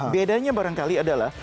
bedanya barangkali adalah